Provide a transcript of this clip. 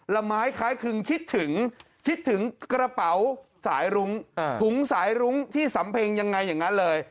ละไม้คล้ายคึงคิดถึงคิดถึงกระเป๋าสายรุ้งถุงสายรุ้งที่สำเพ็งยังไงอย่างนั้นเลย